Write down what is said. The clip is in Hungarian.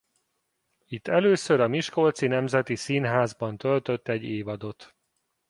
Itt először a Miskolci Nemzeti Színházban töltött egy évadot.